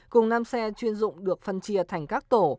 cùng năm xe chuyên dụng được phân chia thành các tổ